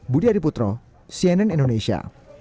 budi adiputro cnn indonesia